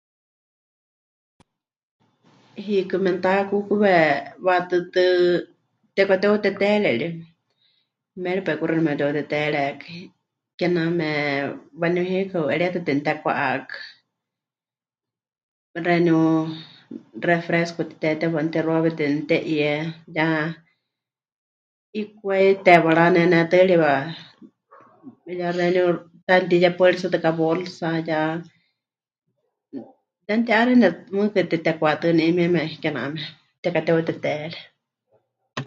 Hiikɨ memɨtakukuwe waʼatɨɨ́tɨ tepɨkateuteteere ri, méripai kuxi 'emepɨteheuteteerekai, kename waníu hiikɨ heu'eríetɨ temɨtekwa'ákɨ, xeeníu refresco mɨtitetewa mɨtixuawe temɨte'ie, ya 'ikwai teewa mɨranenetɨariwa, ya xeeníu 'iyá mɨtiyepaɨritsetɨká bolsa ya... ya mɨti'ánene mɨɨkɨ tetekwatɨ́ waníu 'ayumieme kename tekateheuteteere.